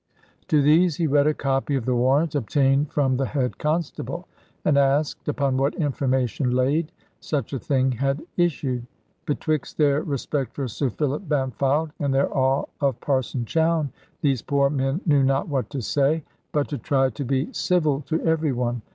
To these he read a copy of the warrant, obtained from the head constable, and asked, upon what information laid, such a thing had issued. Betwixt their respect for Sir Philip Bampfylde and their awe of Parson Chowne, these poor men knew not what to say, but to try to be civil to every one.